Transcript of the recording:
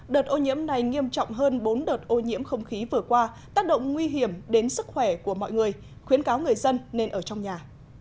đợt ô nhiễm này nghiêm trọng hơn bốn đợt ô nhiễm không khí vừa qua tác động nguy hiểm đến sức khỏe của mọi người khuyến cáo người dân nên ở trong nhà